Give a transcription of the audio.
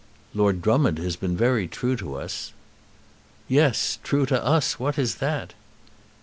"Lord Drummond has been very true to us." "Yes; true to us! What is that?"